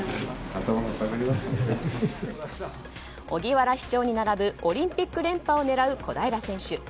荻原市長に並ぶオリンピック連覇を狙う小平選手。